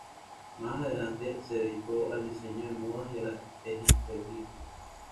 Más adelante se dedicó al diseño de modas y a la egiptología.